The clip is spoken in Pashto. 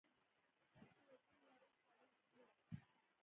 اوس نو له دې وړۍ شړۍ جوړه کړه.